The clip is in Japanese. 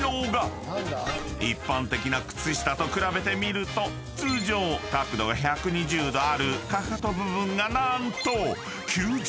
［一般的な靴下と比べてみると通常角度が１２０度あるかかと部分が何と］